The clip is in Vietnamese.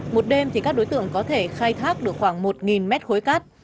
một đêm thì các đối tượng có thể khai thác được khoảng một mét khối cát